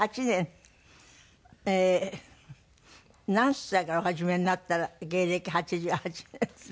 ええ何歳からお始めになったら芸歴８８年って。